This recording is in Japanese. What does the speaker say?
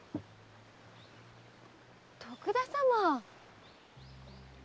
徳田様！